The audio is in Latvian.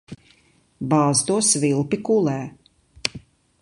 Bāz to svilpi kulē.